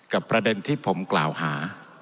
ประเด็นที่ผมกล่าวหา